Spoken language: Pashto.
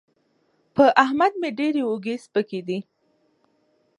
په احمد مې ډېرې اوږې سپکې دي.